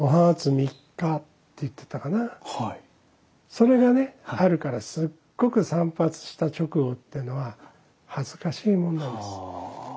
それがねあるからすごく散髪した直後っていうのは恥ずかしいものなのです。